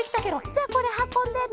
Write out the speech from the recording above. じゃあこれはこんでね。